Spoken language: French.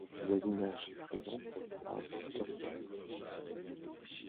Voisinage effrayant pour les arbres, tordus